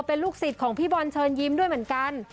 เป็นลูกศิษย์ของพี่บอลเชิญยิ้มด้วยเหมือนกัน